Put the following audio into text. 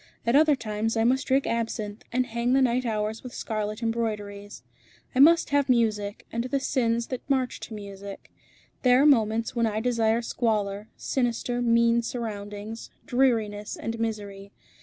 At other times I must drink absinthe, and hang the night hours with scarlet embroideries. I must have music, and the sins that march to music. There are moments when I desire squalor, sinister, mean surroundings, dreariness, and misery.